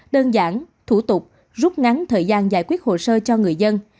đơn giản thủ tục rút ngắn thời gian giải quyết hồ sơ cho người dân